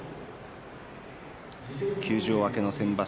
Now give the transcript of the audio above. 休場明けの先場所